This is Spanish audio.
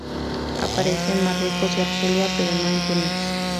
Aparece en Marruecos y Argelia, pero no en Túnez.